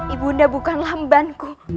ibu nda bukanlah embanku